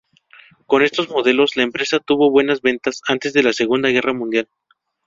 Con estos modelos, la empresa tuvo buenas ventas antes de la Segunda Guerra Mundial.